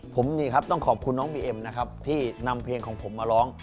ผมนี่ครับต้องขอบคุณน้องบีเอ็มนะครับที่นำเพลงของผมมาร้อง